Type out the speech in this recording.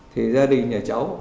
thì gia đình nhà cháu